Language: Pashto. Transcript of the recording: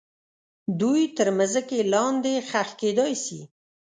دوی تر مځکې لاندې ښخ کیدای سي.